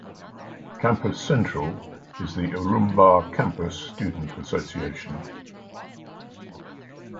Campus Central is the Ourimbah Campus student association.